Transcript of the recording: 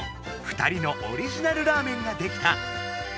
２人のオリジナルラーメンができた。